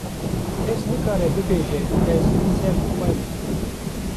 kes nikare bibêje ez ser bi xwe me.